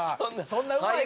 そんなうまい事。